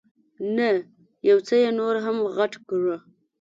نه، یو څه یې نور هم غټ کړه.